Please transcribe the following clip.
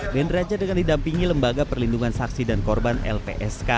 ben raja dengan didampingi lembaga perlindungan saksi dan korban lpsk